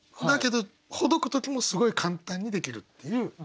だけどほどく時もすごい簡単にできるっていう。